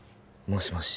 もしもし